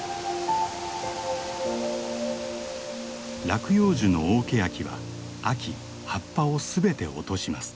落葉樹の大ケヤキは秋葉っぱを全て落とします。